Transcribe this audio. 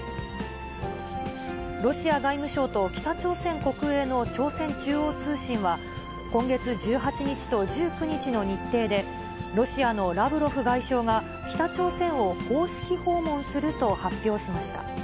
ロシア外務省と北朝鮮国営の朝鮮中央通信は、今月１８日と１９日の日程で、ロシアのラブロフ外相が、北朝鮮を公式訪問すると発表しました。